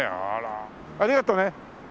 ありがとね。